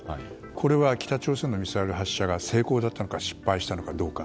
これは北朝鮮のミサイル発射が成功だったのか失敗したのかどうか。